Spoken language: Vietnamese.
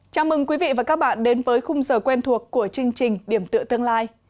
chào mừng quý vị và các bạn đến với khung giờ quen thuộc của chương trình điểm tựa tương lai